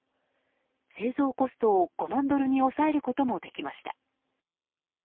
製造コストを５万ドルに抑えることもできました。